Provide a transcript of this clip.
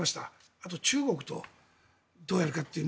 あと中国とどうやるかっていう。